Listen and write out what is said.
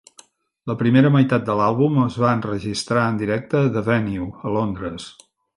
La primera meitat de l'àlbum es va enregistrar en directe a The Venue a Londres.